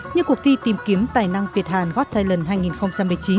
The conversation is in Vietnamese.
như cuộc thi tìm kiếm tài năng việt hàn what thailand hai nghìn một mươi chín